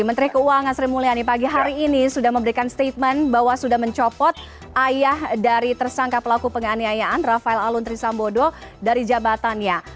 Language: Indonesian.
menteri keuangan sri mulyani pagi hari ini sudah memberikan statement bahwa sudah mencopot ayah dari tersangka pelaku penganiayaan rafael aluntri sambodo dari jabatannya